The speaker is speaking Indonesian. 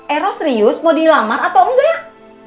eros rius mau dilamar atau enggak